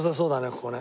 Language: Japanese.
ここね。